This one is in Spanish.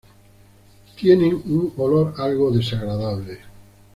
Tienen un olor algo desagradable.